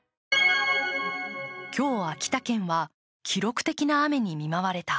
今日、秋田県は記録的な雨に見舞われた。